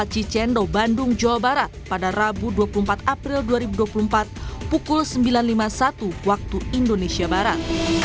cicendo bandung jawa barat pada rabu dua puluh empat april dua ribu dua puluh empat pukul sembilan lima puluh satu waktu indonesia barat